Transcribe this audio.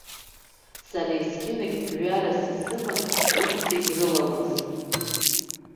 Сара есқьынагьы гәҩарас исыман урҭ зегь рыламыс.